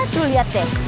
tuh liat deh